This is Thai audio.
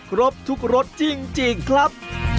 ครบทุกรสจริงครับ